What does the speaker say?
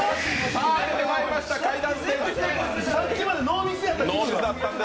さっきまでノーミスやった。